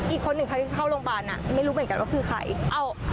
อีกคนหนึ่งใครที่เข้าโรงพยาบาลไม่รู้เหมือนกันว่าคือใคร